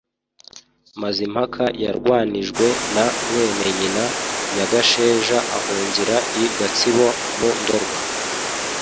mazimpaka yarwanijwe na mwene nyina nyagasheja ahungira i gatsibo mu ndorwa